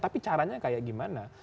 tapi caranya kayak gimana